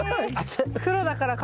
黒だからか。